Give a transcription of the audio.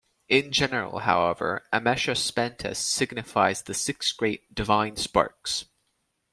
In general, however, 'Amesha Spenta' signifies the six great "divine sparks".